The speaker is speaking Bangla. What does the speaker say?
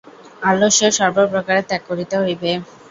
আলস্য সর্বপ্রকারে ত্যাগ করিতে হইবে।